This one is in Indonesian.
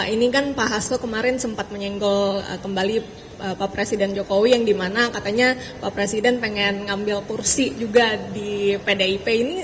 ini kan pak hasto kemarin sempat menyenggol kembali pak presiden jokowi yang dimana katanya pak presiden pengen ngambil kursi juga di pdip ini